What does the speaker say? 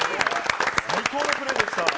最高のプレーでした。